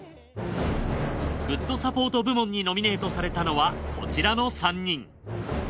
グッドサポート部門にノミネートされたのはこちらの３人。